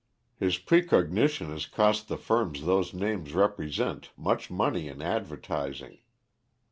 His precognition has cost the firms those names represent much money in advertising.